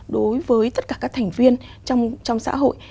đối với tất cả các thành viên trong xã hội